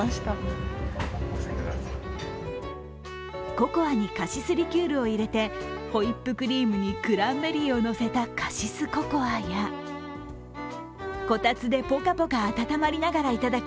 ココアにカシスリキュールを入れてホイップクリームにクランベリーをのせたカシスココアやこたつでポカポカ温まりながらいただく